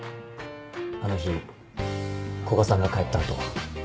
あの日古賀さんが帰った後。